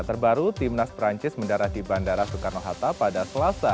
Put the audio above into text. terbaru timnas perancis mendarat di bandara soekarno hatta pada selasa